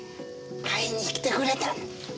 会いにきてくれたの！